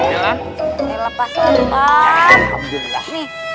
ini lepas ke depan